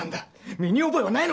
身に覚えはないのか！